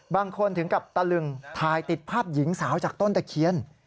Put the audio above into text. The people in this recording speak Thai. ถึงกับตะลึงถ่ายติดภาพหญิงสาวจากต้นตะเคียน